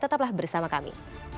tetaplah bersama kami